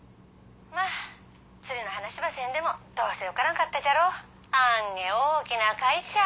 ま釣りの話ばせんでもどうせ受からんかったじゃろあんげ大きな会社。